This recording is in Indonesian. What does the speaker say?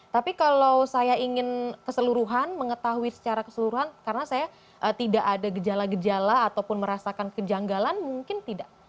tapi kalau saya ingin keseluruhan mengetahui secara keseluruhan karena saya tidak ada gejala gejala ataupun merasakan kejanggalan mungkin tidak